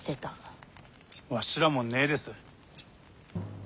わしらもねえです。